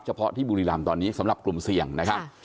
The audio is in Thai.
เฉพาะที่บุรีรามตอนนี้สำหรับกลุ่มเสี่ยงนะฮะใช่ค่ะ